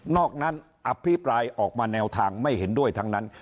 อกนั้นอภิปรายออกมาแนวทางไม่เห็นด้วยทั้งนั้น